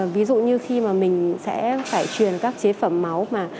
ví dụ như khi mà mình sẽ phải truyền các chế phẩm máu mà